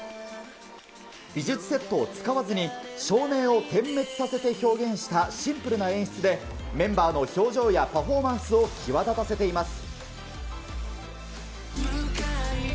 美術セットを使わずに照明を点滅させて表現したシンプルな演出で、メンバーの表情やパフォーマンスを際立たせています。